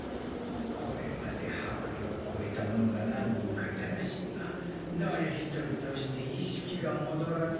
これまで魄領を越えた者が何人かいたらしいが誰一人として意識が戻らずそのまま死んだ。